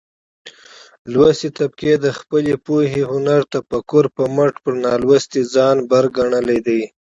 لوستې طبقه د خپلې پوهې، هنر ،تفکر په مټ پر نالوستې ځان بر ګنلى دى.